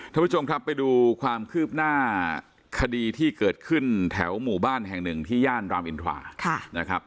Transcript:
ท่านผู้ชมครับไปดูความคืบหน้าคดีที่เกิดขึ้นแถวหมู่บ้านแห่งหนึ่งที่ย่านรามอินทรานะครับ